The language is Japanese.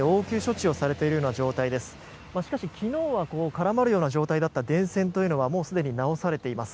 しかし、昨日は絡まるような状態だった電線はもうすでに直されています。